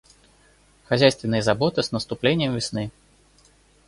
Хозяйственные заботы с наступлением весны.